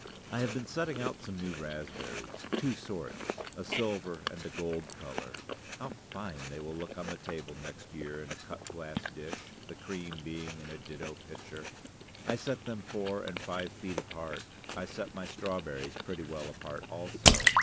I have been setting out some new raspberries, two sorts a silver and a gold color. How fine they will look on the table next year in a cut glass dish, the cream being in a ditto pitcher! I set them four and five feet apart. I set my strawberries pretty well apart also.